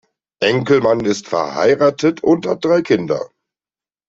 Enkelmann ist verheiratet und hat drei Kinder.